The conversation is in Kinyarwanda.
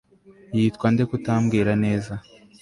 yitwa nde ko utambwira neza